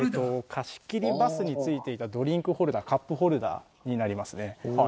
貸切バスに付いていたドリンクホルダーカップホルダーになりますね。